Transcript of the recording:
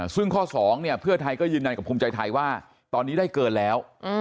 ซึ่งข้อ๒เพื่อไทยก็ยืนยันกับภูมิใจไทยว่าตอนนี้ได้เกินแล้ว